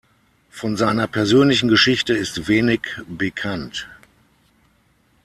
Von seiner persönlichen Geschichte ist wenig bekannt.